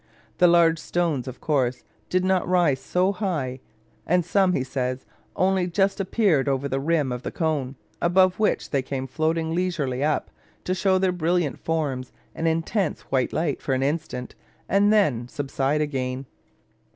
The large stones, of course, did not rise so high; and some, he says, "only just appeared over the rim of the cone, above which they came floating leisurely up, to show their brilliant forms and intense white light for an instant, and then subside again."